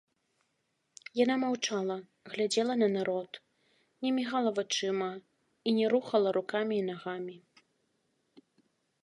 Яна маўчала, глядзела на народ, не мігала вачыма і не рухала рукамі і нагамі.